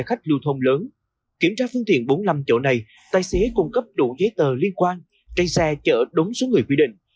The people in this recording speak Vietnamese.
khách lưu thông lớn kiểm tra phương tiện bốn mươi năm chỗ này tài xế cung cấp đủ giấy tờ liên quan chạy xe chở đúng số người quy định